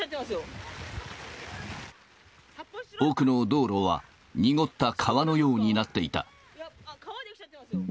奥の道路は濁った川のようになっていた。